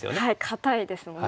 堅いですもんね。